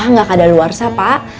enggak kadaluarsa pak